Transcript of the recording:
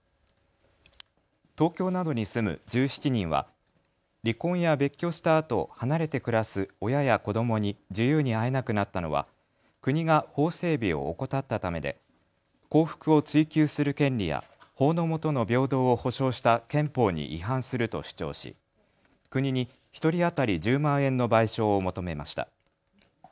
東京などに住む１７人は離婚や別居したあと離れて暮らす親や子どもに自由に会えなくなったのは国が法整備を怠ったためで幸福を追求する権利や法の下の平等を保障した憲法に違反すると主張し国に１人当たり１０万円の賠償を求めました。